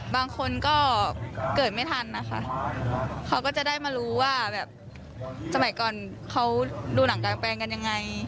บางคนก็เกิดไม่ทันนะคะเขาก็จะได้มารู้ว่าแบบสมัยก่อนเขาดูหนังกลางแปลงกันยังไง